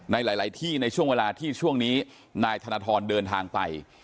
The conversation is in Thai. ในหลายที่ในช่วงเวลาที่ช่วงนี้นายธนทรเดินทางไป